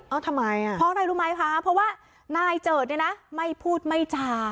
เอาทำไมอ่ะเพราะอะไรรู้ไหมคะเพราะว่านายเจิดเนี่ยนะไม่พูดไม่จา